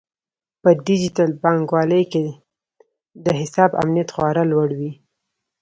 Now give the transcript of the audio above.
په ډیجیټل بانکوالۍ کې د حساب امنیت خورا لوړ وي.